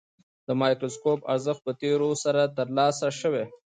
د مایکروسکوپ ارزښت په تېرېدو سره ترلاسه شوی.